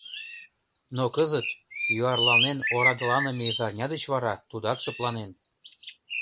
Но кызыт, юарланен-орадыланыме изарня деч вара, тудат шыпланен.